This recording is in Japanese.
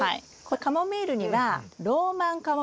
カモミールにはローマンカモミール